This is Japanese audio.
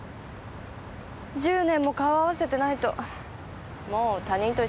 １０年も顔を合わせてないともう他人と一緒ですから。